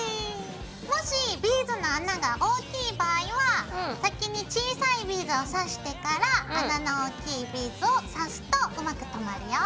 もしビーズの穴が大きい場合は先に小さいビーズを刺してから穴の大きいビーズを刺すとうまくとまるよ。